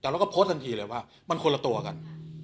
แต่เราก็โพสต์ทันทีเลยว่ามันคนละตัวกัน